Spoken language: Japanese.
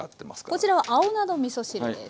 こちらは青菜のみそ汁です。